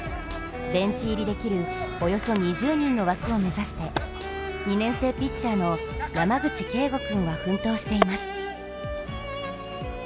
ベンチ入りできるおよそ２０人の枠を目指して、２年生ピッチャーの山口恵悟君は奮闘しています。